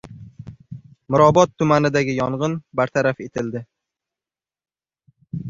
Mirobod tumanidagi yong‘in bartaraf etildi